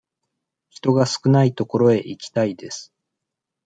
人が少ない所へ行きたいです。